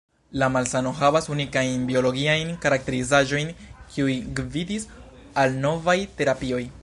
La malsano havas unikajn biologiajn karakterizaĵojn, kiuj gvidis al novaj terapioj.